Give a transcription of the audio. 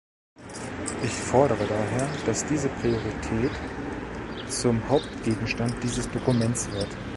Ich fordere daher, dass diese Priorität zum Hauptgegenstand dieses Dokuments wird.